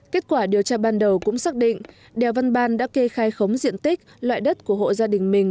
kết quả điều tra ban đầu cũng xác định đèo văn ban đã kê khai khống diện tích loại đất của hộ gia đình mình